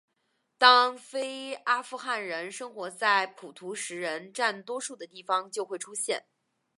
当非阿富汗人生活在普什图人占多数的地方就会出现。